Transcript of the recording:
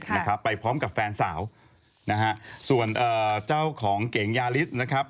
นะครับไปพร้อมกับแฟนสาวนะฮะส่วนเอ่อเจ้าของเก๋งยาลิสนะครับ